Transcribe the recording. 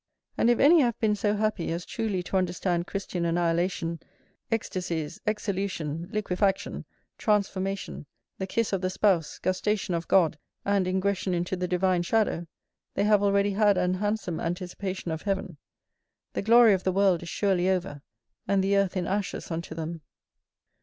And if any have been so happy as truly to understand Christian annihilation, ecstasies, exolution, liquefaction, transformation, the kiss of the spouse, gustation of God, and ingression into the divine shadow, they have already had an handsome anticipation of heaven; the glory of the world is surely over, and the earth in ashes unto them.